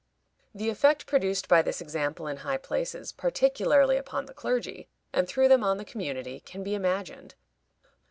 The effect produced by this example in high places, particularly upon the clergy, and through them on the community, can be imagined.